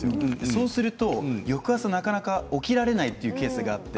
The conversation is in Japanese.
そうすると翌朝はなかなか起きられないケースがあって